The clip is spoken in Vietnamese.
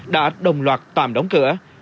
đã đồng loạt tạm đóng cửa